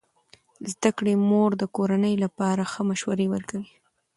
د زده کړې مور د کورنۍ لپاره ښه مشوره ورکوي.